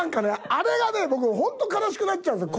あれがね僕本当悲しくなっちゃうんです。